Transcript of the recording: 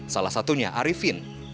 salah satunya arifin